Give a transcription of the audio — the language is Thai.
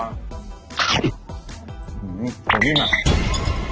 หนูสิ่งแบบ